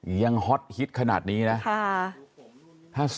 ฮอตฮิตขนาดนี้นะ